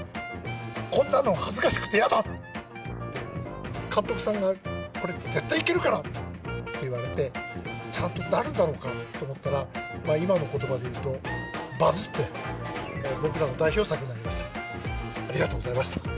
こんなの恥ずかしくて嫌だ！って、監督さんが、これ、絶対いけるからって言われて、ちゃんとなるんだろうかと思ったら、今のことばで言うと、バズって、僕らの代表作になりました。